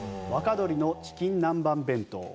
若鶏のチキン南蛮弁当。